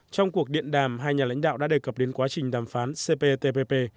trong cuộc điện đàm hai nhà lãnh đạo đã đề cập đến quá trình đàm phán cptpp